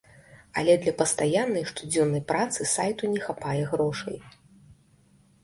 Але для пастаяннай штодзённай працы сайту не хапае грошай.